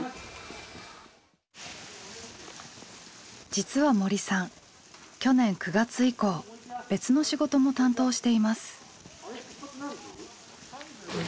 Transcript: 実は森さん去年９月以降別の仕事も担当しています。